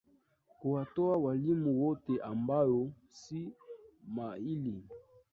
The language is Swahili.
kuwatoa walimu wote ambao si mahili